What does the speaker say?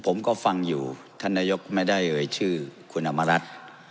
ผมก็ฟังอยู่ท่านนายกไม่ได้เอ่ยชื่อคุณอำมารัฐ